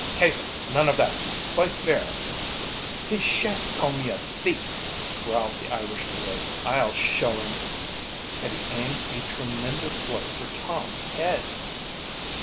"Caven, none of that! Fight fair!" "He shan't call me a thief!" growled the Irish boy. "I'll show him!" And he aimed a tremendous blow for Tom's head.